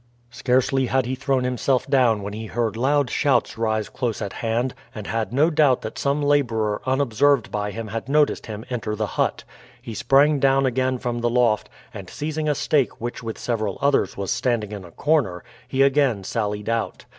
Scarcely had he thrown himself down when he heard loud shouts rise close at hand, and had no doubt that some laborer unobserved by him had noticed him enter the hut. He sprang down again from the loft, and seizing a stake which with several others was standing in a corner, he again sallied out.